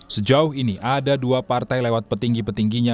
sejauh ini ada dua partai lewat petinggi petingginya